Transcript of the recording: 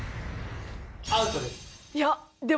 アウトです。